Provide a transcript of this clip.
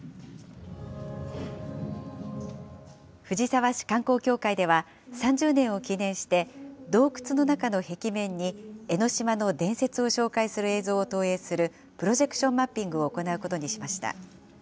藤沢市観光協会では、３０年を記念して、洞窟の中の壁面に、江の島の伝説を紹介する映像を投影するプロジェクションマッピングを行うことにしました。